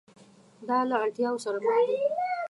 دا له اړتیاوو سره مخ دي.